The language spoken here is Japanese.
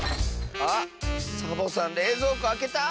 あっサボさんれいぞうこあけた！